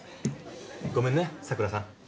ごめんね桜さん。